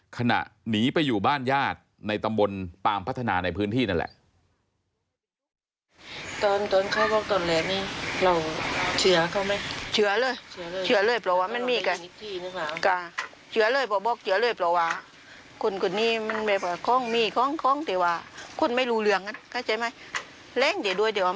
หนีไปอยู่บ้านญาติในตำบลปามพัฒนาในพื้นที่นั่นแหละ